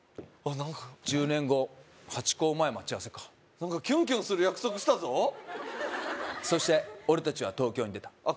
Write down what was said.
１０年後ハチ公前待ち合わせか何かキュンキュンする約束したぞそして俺達は東京に出たあ